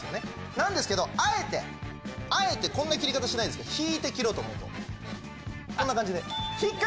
なんですけどあえてあえてこんな切り方しないですけど引いて切ろうと思うとこんな感じで。